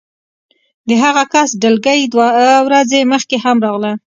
د هغه کس ډلګۍ دوه ورځې مخکې هم راغله